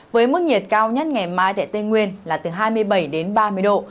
với mức nhiệt cao nhất ngày mai tại tây nguyên là từ hai mươi bảy đến ba mươi độ